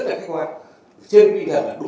sai phạt bên đâu